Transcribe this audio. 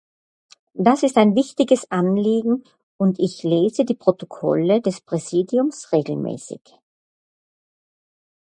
Das ist ein wichtiges Anliegen, und ich lese die Protokolle des Präsidiums regelmäßig.